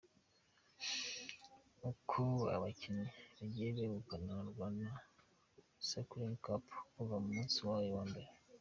Uko abakinnyi bagiye begukana Rwanda cycling cup kuva ku munsi wayo wambere.